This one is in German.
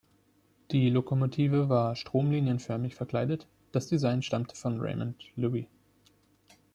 Die Lokomotive war stromlinienförmig verkleidet, das Design stammte von Raymond Loewy.